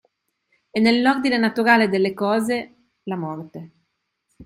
È nell’ordine naturale delle cose, la morte.